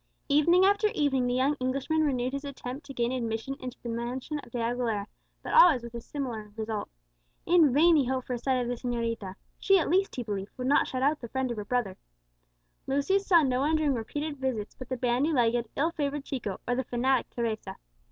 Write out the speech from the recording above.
Evening after evening the young Englishman renewed his attempt to gain admission into the mansion of De Aguilera, but always with a similar result. In vain he hoped for a sight of the señorita; she at least, he believed, would not shut out the friend of her brother. Lucius saw no one during repeated visits but the bandy legged, ill favoured Chico, or the fanatic Teresa.